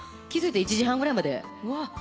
気付いたら１時半ぐらいまで。